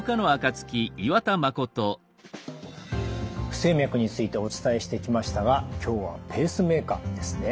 不整脈についてお伝えしてきましたが今日はペースメーカーですね。